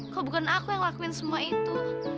kau bukan aku yang lakuin semua itu